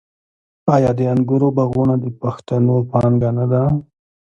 آیا د انګورو باغونه د پښتنو پانګه نه ده؟